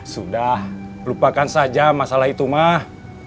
sudah lupakan saja masalah itu mah